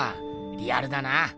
リアルだな。